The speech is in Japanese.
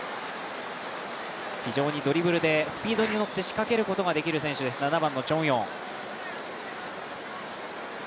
非常にドリブルでスピードに乗って仕掛けることができる選手です、７番のチョン・ウヨン。